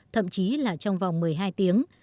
thậm chí là trong vòng một mươi hai tiếng